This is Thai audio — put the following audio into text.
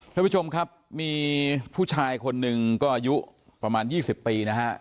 ท่านผู้ชมครับมีผู้ชายคนหนึ่งก็อายุประมาณ๒๐ปีนะฮะ